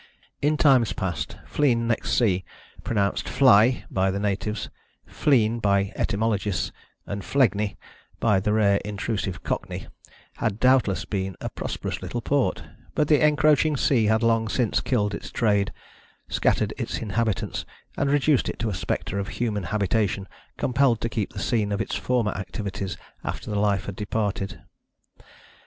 In times past Flegne next sea pronounced "Fly" by the natives, "Fleen" by etymologists, and "Flegney" by the rare intrusive Cockney had doubtless been a prosperous little port, but the encroaching sea had long since killed its trade, scattered its inhabitants, and reduced it to a spectre of human habitation compelled to keep the scene of its former activities after life had departed.